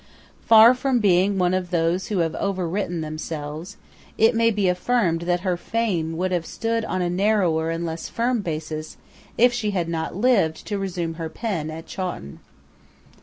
Far from being one of those who have over written themselves, it may be affirmed that her fame would have stood on a narrower and less firm basis, if she had not lived to resume her pen at Chawton.